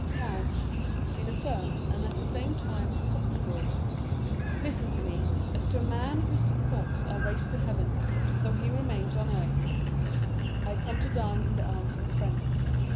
"Count," said Morrel, in a firm and at the same time soft voice, "listen to me, as to a man whose thoughts are raised to heaven, though he remains on earth; I come to die in the arms of a friend.